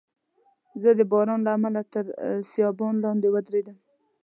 زه د باران له امله تر سایبان لاندي ودریدم.